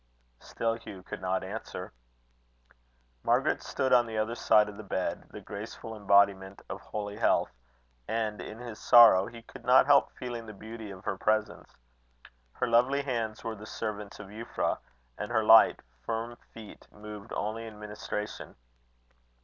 Still Hugh could not answer. Margaret stood on the other side of the bed, the graceful embodiment of holy health, and in his sorrow, he could not help feeling the beauty of her presence. Her lovely hands were the servants of Euphra, and her light, firm feet moved only in ministration.